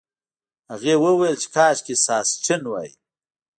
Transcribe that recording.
هغې وویل چې کاشکې ساسچن وای.